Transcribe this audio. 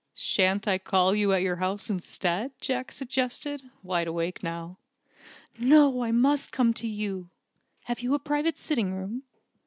"Shan't I call at your house instead?" Jack suggested, wide awake now. "No, I must come to you. Have you a private sitting room?"